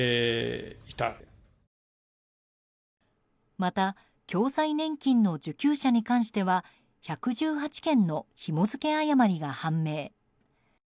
また、共済年金の受給者に関しては１１８件のひも付け誤りが判明。